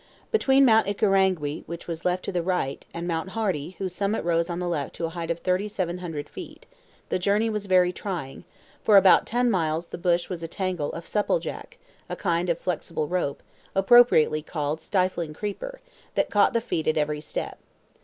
Between Mount Ikirangi which was left to the right, and Mount Hardy whose summit rose on the left to a height of 3,700 feet, the journey was very trying; for about ten miles the bush was a tangle of "supple jack," a kind of flexible rope, appropriately called "stifling creeper," that caught the feet at every step.